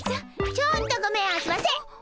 ちょっとごめんあそばせ！